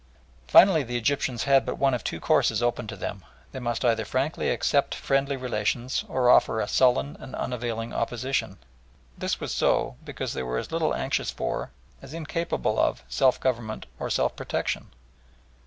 Finally, the Egyptians had but one of two courses open to them they must either frankly accept friendly relations or offer a sullen and unavailing opposition. This was so because they were as little anxious for, as incapable of, self government, or self protection.